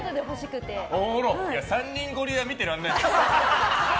３人ゴリエは見てらんないよ。